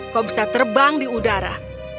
kau bisa terbang di udara